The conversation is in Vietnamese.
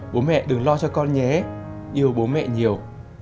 bố mẹ đừng lo cho con nhé yêu bố mẹ nhiều